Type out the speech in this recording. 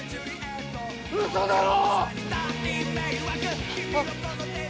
ウソだろ！？